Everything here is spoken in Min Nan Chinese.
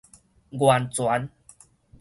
原全